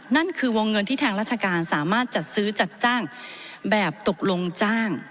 นั่นคือวงเงินที่ทางราชการสามารถจัดซื้อจัดจ้างแบบตกลงจ้าง